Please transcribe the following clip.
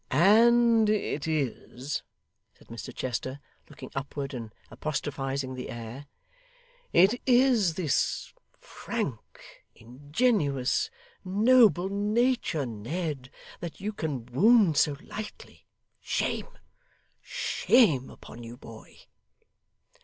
'And it is,' said Mr Chester, looking upward, and apostrophising the air; 'it is this frank, ingenuous, noble nature, Ned, that you can wound so lightly. Shame shame upon you, boy!